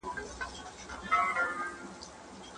د هنر له ګوتو جوړي ګلدستې وې